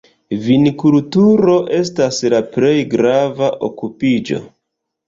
Vinkulturo estas la plej grava okupiĝo.